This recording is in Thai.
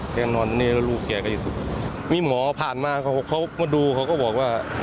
แกนอนในรูแกกระยิบมีหมอผ่านมาเขาเขามาดูเขาก็บอกว่า